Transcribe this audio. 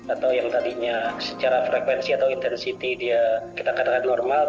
atau yang tadinya secara frekuensi atau intensity dia kita katakan normal